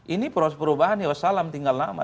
ini perubahan ya wassalam tinggal lama